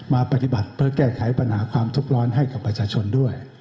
มาปฏิบัติเพื่อแก้ไขปัญหาความทุกข์ร้อนให้กับประชาชนด้วย